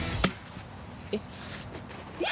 えっ？